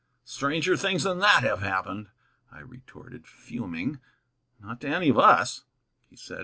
"Stranger things than that have happened," I retorted, fuming. "Not to any of us," he said.